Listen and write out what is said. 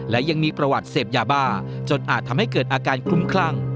และยังมีประวัติเสพยาบ้าจนอาจทำให้เกิดอาการคลุ้มคลั่ง